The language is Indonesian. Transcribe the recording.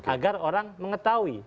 agar orang mengetahui